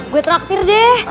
gue traktir deh ya